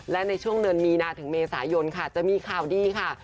และในช่วงเดือนมีนาถึงเมษายนค่ะจะมีข่าวดีค่ะ